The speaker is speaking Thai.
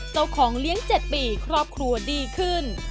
เจ้าของเลี้ยง๗ปีครอบครัวดีขึ้น